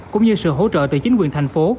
cũng như sự hỗ trợ từ chính quyền thành phố